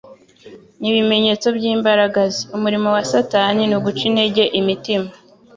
n'ibimenyetso by'imbaraga ze. Umurimo wa Satani ni uguca intege imitima;